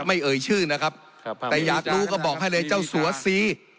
เอ่ยชื่อนะครับแต่อยากรู้ก็บอกให้เลยเจ้าสัวซี